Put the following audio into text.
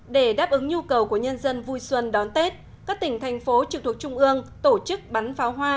để đáp ứng nhu cầu của nhân dân vui xuân đón tết các tỉnh thành phố trực thuộc trung ương tổ chức bắn pháo hoa